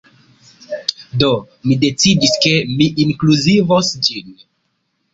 Do, mi decidis, ke mi inkluzivos ĝin